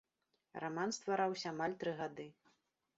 Раман ствараўся амаль тры гады.